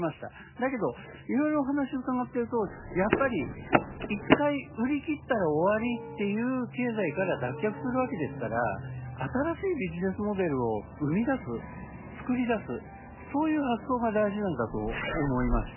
だけどいろいろお話を伺ってるとやっぱり１回売り切ったら終わりっていう経済から脱却するわけですから新しいビジネスモデルを生み出す作り出すそういう発想が大事なんだと思いました。